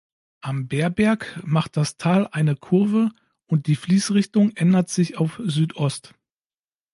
Am "Beerberg" macht das Tal eine Kurve und die Fließrichtung ändert sich auf Südost.